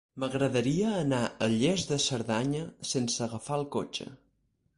M'agradaria anar a Lles de Cerdanya sense agafar el cotxe.